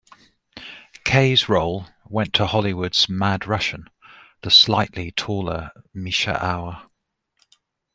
Kaye's role went to Hollywood's "Mad Russian," the slightly taller Mischa Auer.